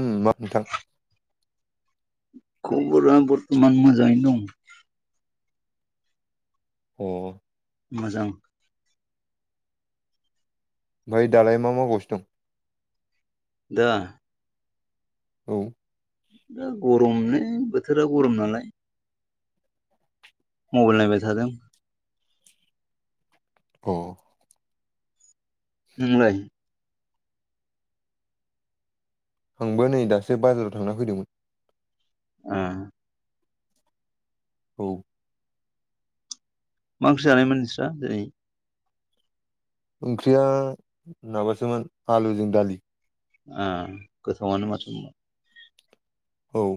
ओ मा नोंथां खबरा बर्थमान मोजाङैनो दं। अ मोजां। ओमफ्राय दालाय मा मावगासिनो दं? दा औ गरमनो बोथोरा गरम नालाय मबाइल नायबाय थादों। अ नोंलाय आंबो नै दासो बाजाराव थांना फैदोंमोन। उम औ मा ओंख्रि जानायमोन नोंस्रा दिनै? ओंख्रिया माबासोमोन आलुजों दालि ओ गोथावानो माथो‌ होमबा औ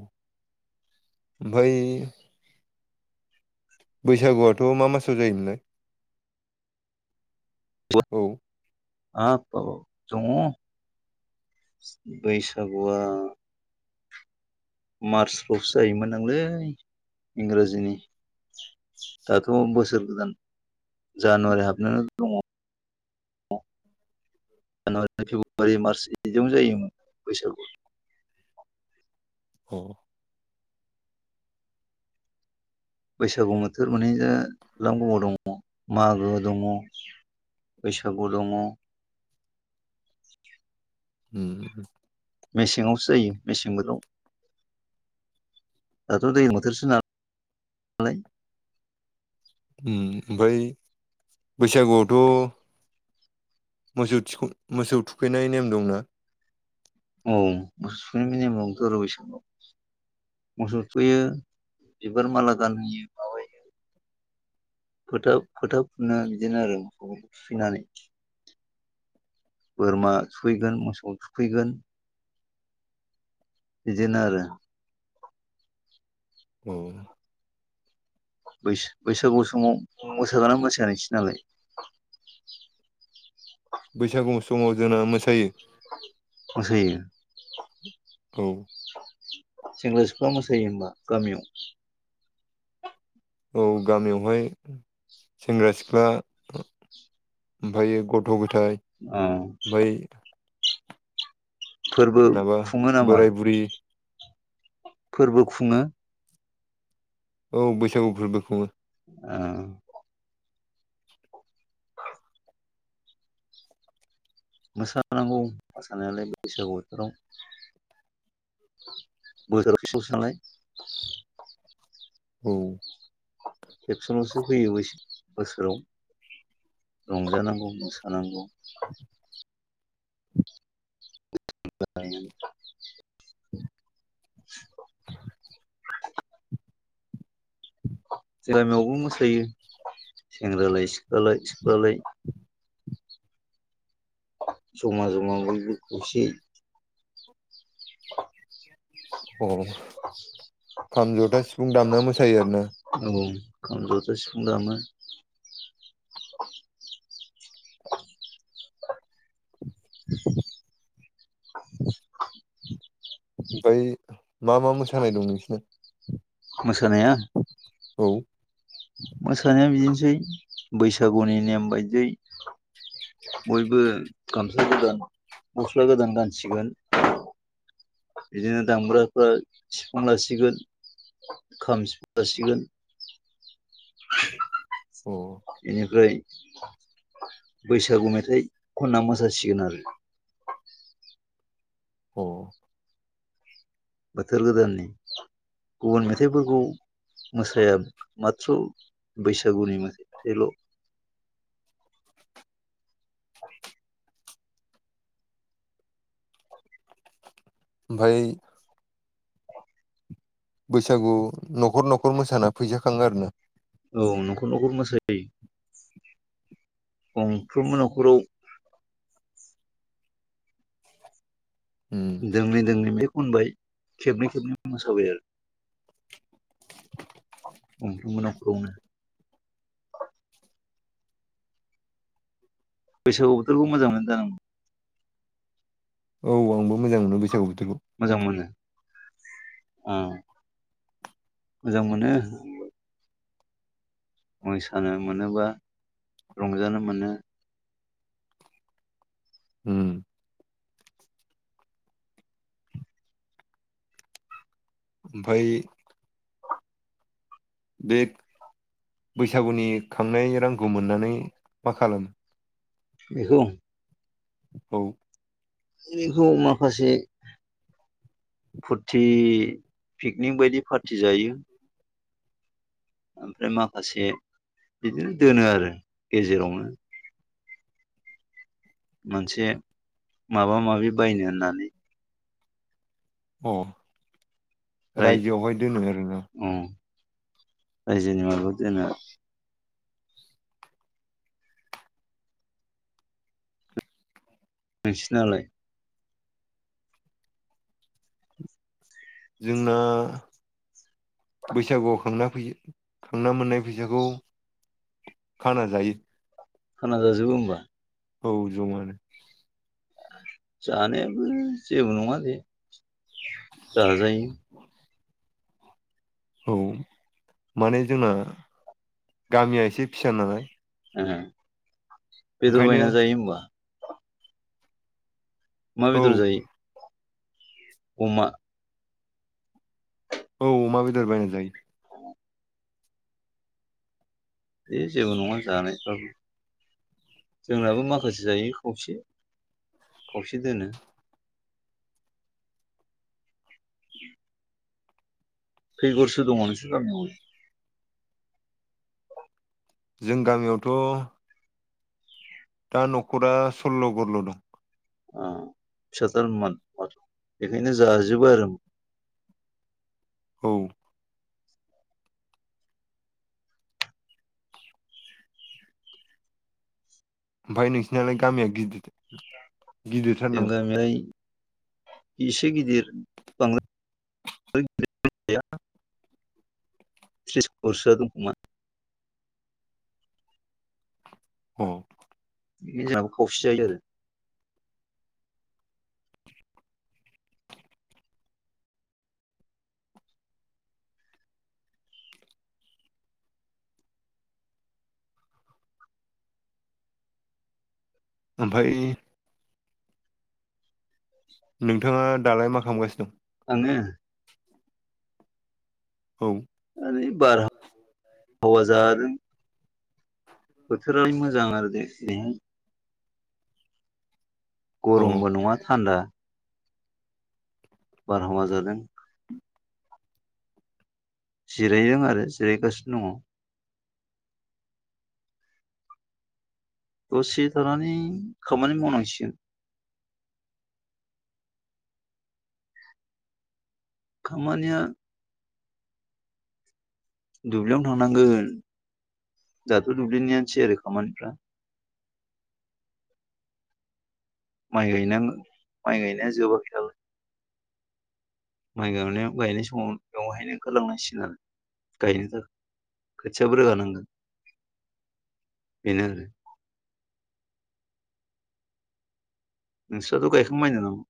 ओमफ्राय बैसागुआथ मा मासाव जायो मोनलाय? औ [inaudible] हाब ब दङ बैसागुआ मार्चफ्रावसो जायोमोन दांलै इंराजिनि दाथ बोसोर गोदान जानुवारि हाबनानै दङ। जानुवारि फेब्रुवारि मार्च बिदिनो जायोमोन बैसागु अ बैसागु बोथोर माने लां गोबाव दङ मागो दङ बैसागु दङ। उम मेसेङावसो जायो मेसें बोथोराव दाथ दैलां बोथोरसो नालाय उम ओमफ्राय बैसागुआवथ मोसौ थिख मोसौ थुखैनाय नेम दंना उम मोसौ थुखैनाय नेम दं थ आरो बैसागुआव मोसौ थुखैयो बिबार माला गानहोयो। माबायो फोथा फोथा फुनो बिदिनो आरो थुखैनानै बोरमा थुखैगोन मोसौ थुखैगोन बिदिनो आरो ओ बैस-बैसागु समाव मोसागोना मोसाया नोंसि नालाय बैसागु समाव जोंना मोसायो। मोसायो औ सेंग्रा सिख्ला मोसायो हबा गामियाव औ गामियावहाय सेंग्रा सिख्ला ओमफ्रायो गथ' गथाय अ ओफ्राय फोरबो माबा खुङो नामा बोराय बुरि फोर्बो खुङो औ बैसागु फोर्बो खुङो ओ मोसानांगौ मोसानायालाय बैसागु बोथोराव बोसोराव फिसाव सानाय औ खेबसेल'सो फैयो बोसोराव रंजानांगौ मोसानांगौ [unintelligible] [unintelligible] गामियावबो मोसायो सेंग्रालाय सिख्लालाय सिख्लालाय जमा जमा बयबो खौसे अ खाम जथा सिफुं दामना मोसायो आरोना नंगौ खाम जथा सिफुं दामो [unintelligible] ओमफ्राय मा मा मोसानाय दं नोंसिना मोसानाया औ मोसानाया बिदिनसै बैसागुनि नेम बायदियै बयबो गामसा गोदान गस्ला गोदान गानसिगोन बिदिनो दामग्राफ्रा सिफां लासिगोन खाम सिफुं लासिगोन अ बेनिफ्राय बैसागु मेथाइ खनना मोसासिगोन आरो अ बोथोर गोदाननि गुबुन मेथाइफोरखौ मोसाया माथ्र' बैसागुनि मोनसेल' ओमफाय बैसागु नखर नखर मोसाना फैसा खाङो आरोना औ नखर नखर मोसायो गंफ्रोमबो नखराव उम दोंनै दोंनै बे खनबाय खेबनै खेबनै मोसाबाय आरो गंफ्रोमबो नखरावनो बैसागु बोथोरबो मोजां मोनो जानांगौ औ आंबो मोजां मोनो बैसागु बोथोरखौ मोजां मोनो अ मोजां मोनो मोसानो मोनोबा रंजानो मोनो ओम ओमफाय बे बैसागुनि खांनाय रांखौ मोननानै मा खालामो बेखौ औ बेखौ माखासे फुरथि पिकनिक बायदि पारटि जायो आमफ्राय माखासे बिदिनो दोनो आरो गेजेरावनो मोनसे माबा माबि बायनो होननानै अ रायजोआवहाय दोनो आरोना औ रायजोनि माबा दोनो नोंसिनालाय जोंना बैसागुआव खांना फै खांना मोननाय फैसाखौ खाना जायो खाना जाजोबो होनबा! औ ज'मानो जानायाबो जेबो नङा जे जाजायो औ माने जोंना गामिया एसे फिसा नालाय ओ बेदर ओंखायनो बायना जायो होमबा मा औ बेदर जायो। अमा औ अमा बेदर बायना जायो। दे जेबो नङा जानायफ्राबो जोंनाबो माखासे जायो खावसे खावसे दोनो [inaudible] खै गरसो दङ नोंसोर गामियाव जों गामियावथ' दा न'खरा सल्ल' गरल' दं। ओ फिसाथारमोन बेखायनो जाजोबो आरो औ ओमफाय नोंसिनालाय गामिया गिदिर गिदिरथार जों नामा गामियालाय एसे गिदिर बांद्राय [inaudible] त्रिस गरसोआ दंखोमा अ बेनो जोंहाबो खावसे जायो जायो आरो ओमफाय नोंथाङा दालाय मा खालामगासिनो दं आङो औ ओरै बार बारहावा जादों बोथोराल मोजां आरो दे दिनैहाय औ अ गरमबो नङा थान्दा बारहावा जादों जिरायदों आरो जिरायगासिनो दङ। दसे थानानै खामानि मावनांसिगोन खामानिया दुब्लियावनो थांनांगोन दाथ' दुब्लिनियानोसै आरो खामानिफ्रा माइ गायनांगौ माइ गायनाया जोबाखै दाबो माइ गायनायाव गायनाय समाव बेवहायनो ओंखारलांनांसिगोन आरो गायनो थाखाय खोथियाबो रोगानांगोन बेनो आरो नोंस्राथ' गायखांबाय होन्दों नामा?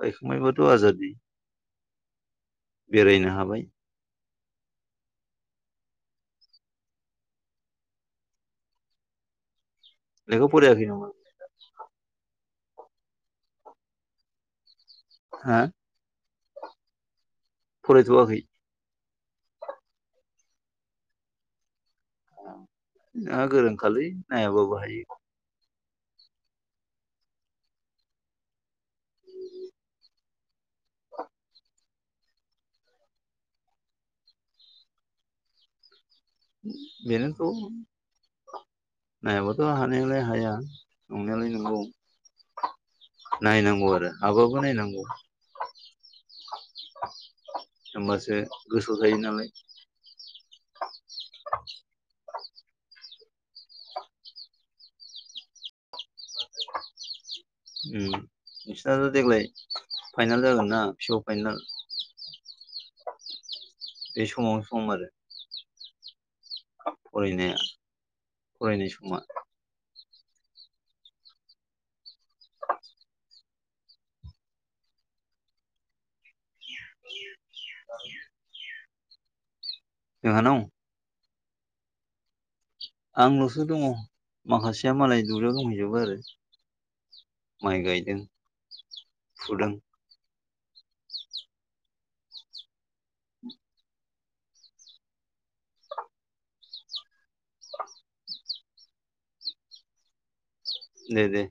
गायखांबायबाथ' आजादि बेरायनो हाबाय लेखा फरायाखै नामा हा फरायथ'वाखै नोंहा गोरों खालै नायाबाबो हायो। बेनोथ' नायाबाथ' हानायालाय हाया। नंनायालाय नंगौ नायनांगौ आरो हाबाबो नायनांगौ होनबासो गोसो थायो नालाय। [inaudible] नोंसनाथ' देग्लाय फाइनाल जागोन ना फिअ फाइनाल बे समावनो सम आरो फरायनो फरायनाय समा [unintelligible] जोंहा नाव आंल'सो दङ माखासेया मालाय दुयाव दंहैजोबो आरो। माइ गायदों फुदों दे दे